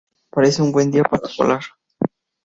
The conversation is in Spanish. Parece un buen día para volar".